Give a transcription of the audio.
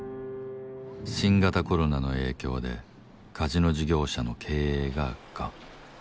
新型コロナの影響でカジノ事業者の経営が悪化。